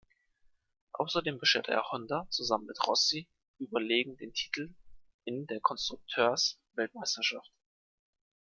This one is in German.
Außerdem bescherte er Honda, zusammen mit Rossi, überlegen den Titel in der Konstrukteurs-Weltmeisterschaft.